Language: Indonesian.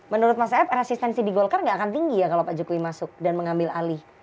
menurut mas ef resistensi di golkar nggak akan tinggi ya kalau pak jokowi masuk dan mengambil alih